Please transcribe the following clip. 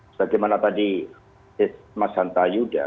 sebagaimana tadi mas hanta yuda